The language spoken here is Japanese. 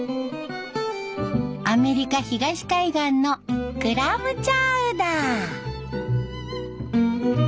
アメリカ東海岸のクラムチャウダー。